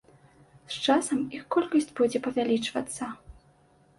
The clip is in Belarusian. З часам іх колькасць будзе павялічвацца.